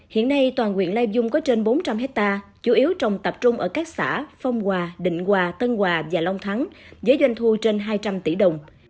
hiện nay toàn quyện lai dung có trên bốn trăm linh hectare chủ yếu trồng tập trung ở các xã phong hòa định hòa tân hòa và long thắng với doanh thu trên hai trăm linh tỷ đồng